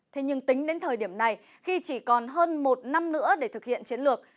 thế nhưng tính đến thời điểm này khi chỉ còn hơn một năm nữa để thực hiện chiến lược